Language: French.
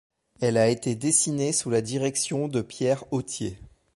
Elle a été dessinée sous la direction de Pierre Authier.